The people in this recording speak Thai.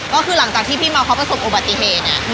ก็คือหลังจากที่พี่เมาเขาผสมโอบัติเหตุเนี่ย